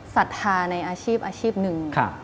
ศรัทธาในอาชีพอาชีพหนึ่ง